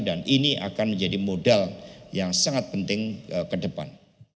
dan ini akan menjadi modal yang sangat penting ke depan